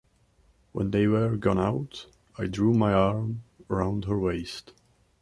When they were gone out, I drew my arm round her waist.